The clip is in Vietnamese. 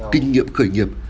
kinh nghiệm khởi nghiệp